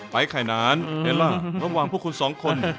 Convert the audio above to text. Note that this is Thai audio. ไฟล์ไข่นานเป็นล่ะระหว่างพวกคุณสองคน